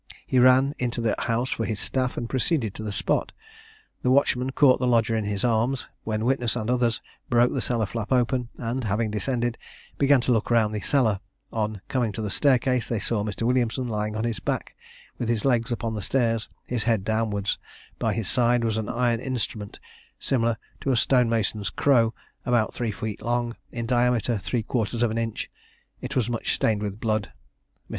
He ran into the house for his staff, and proceeded to the spot. The watchman caught the lodger in his arms, when witness and others broke the cellar flap open, and, having descended, began to look round the cellar; on coming to the staircase, they saw Mr. Williamson lying on his back, with his legs upon the stairs, his head downwards: by his side was an iron instrument, similar to a stonemason's crow, about three feet long, in diameter three quarters of an inch: it was much stained with blood. Mr.